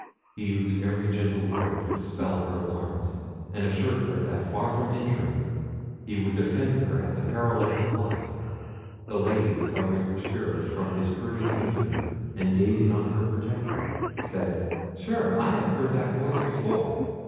He used every gentle word to dispel her alarms, and assured her that far from injuring, he would defend her at the peril of his life. The Lady recovering her spirits from his courteous demeanour, and gazing on her protector, said— "Sure, I have heard that voice before!"